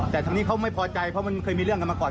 แต่ทางนี้เขาไม่พอใจเพราะมันเคยมีเรื่องกันมาก่อน